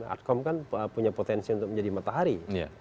atkom kan punya potensi untuk menjadi matahari